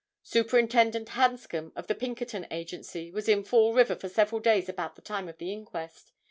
Superintendent Hanscom of the Pinkerton Agency, was in Fall River for several days about the time of the inquest.